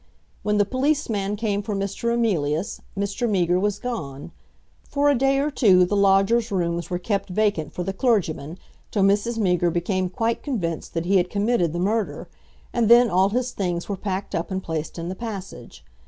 When the policeman came for Mr. Emilius, Mr. Meager was gone. For a day or two the lodger's rooms were kept vacant for the clergyman till Mrs. Meager became quite convinced that he had committed the murder, and then all his things were packed up and placed in the passage.